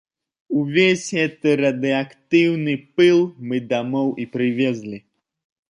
Увесь гэты радыеактыўны пыл мы дамоў і прывезлі.